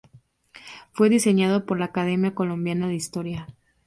Fue diseñado por la Academia Colombiana de Historia.